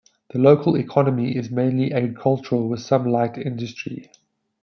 The local economy is mainly agricultural with some light industry.